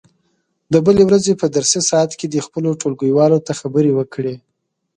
د بلې ورځې په درسي ساعت کې دې خپلو ټولګیوالو ته خبرې وکړي.